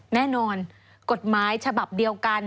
แน่นอนกฎหมายฉบับเดียวกัน